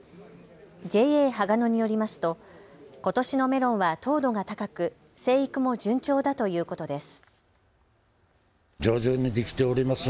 ＪＡはが野によりますとことしのメロンは糖度が高く生育も順調だということです。